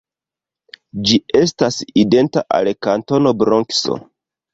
Ĝi estas identa al Kantono Bronkso.